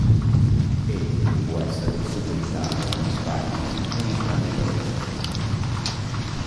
Egli può essere vissuto in Italia o in Spagna, o in entrambi i paesi.